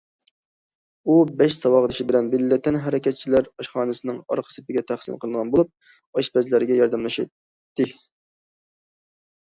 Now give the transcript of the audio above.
ئۇ بەش ساۋاقدىشى بىلەن بىللە تەنھەرىكەتچىلەر ئاشخانىسىنىڭ ئارقا سېپىگە تەقسىم قىلىنغان بولۇپ، ئاشپەزلەرگە ياردەملىشەتتى.